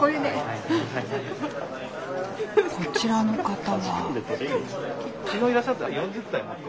こちらの方は。